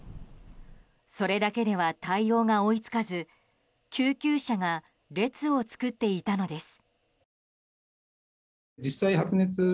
それだけでは対応が追い付かず救急車が列を作っていたのです。